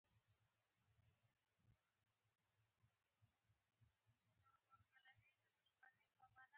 ما په بازار کې یو زوړ ملګری ولید